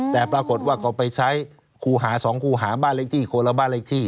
แต่ปรากฏว่าก็ไปใช้ครูหา๒ครูหาบ้านเลขที่คนละบ้านเลขที่